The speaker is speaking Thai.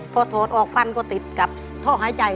พอถอดออกฟันก็ติดกับท่อหายใจ